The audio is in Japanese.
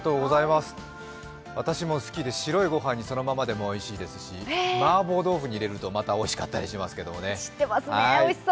私も好きで白い御飯にそのままでもおいしいですしマーボー豆腐に入れるとまたおいしかったりしますけどね。